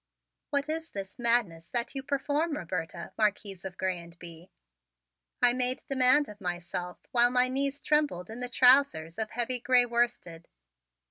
"What is this madness that you perform, Roberta, Marquise of Grez and Bye?" I made demand of myself while my knees trembled in the trousers of heavy gray worsted.